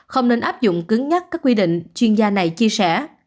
không nên áp dụng cứng nhắc các quy định chuyên gia này chia sẻ